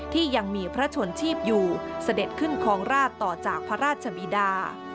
ที่ยังมีพระชนชีพอยู่เสด็จขึ้นครองราชต่อจากพระราชบิดา